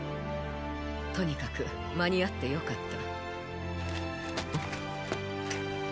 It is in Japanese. とにかく間に合ってよかった。？